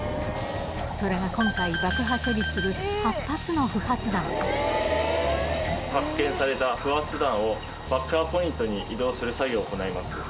それが今回、発見された不発弾を、爆破ポイントに移動する作業を行います。